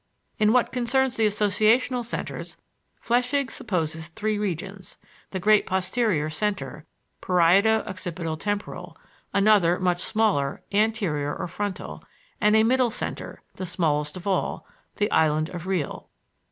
In what concerns the associational centers, Flechsig supposes three regions: The great posterior center (parieto occipito temporal); another, much smaller, anterior or frontal; and a middle center, the smallest of all (the Island of Reil).